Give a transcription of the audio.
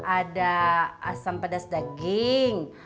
ada asam pedas daging